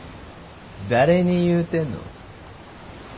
誰に言うてんの？